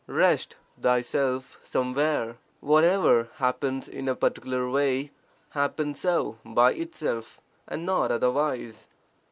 Rest (thyself) somewhere. Whatever happens in a particular way, happens so by itself, and not otherwise.